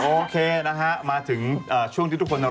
โอเคนะฮะมาถึงช่วงที่ทุกคนจะรอคอย